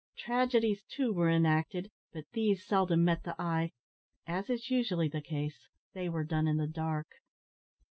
Tragedies, too, were enacted, but these seldom met the eye; as is usually the case, they were done in the dark.